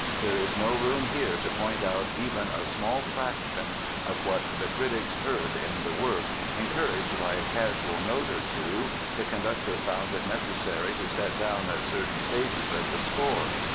There is no room here to point out even a small fraction of what the critics heard in the work, encouraged by a casual note or two the conductor found it necessary to set down at certain stages of the score.